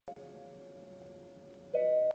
在军事方面比较彻底地肃清殖民主义的残余。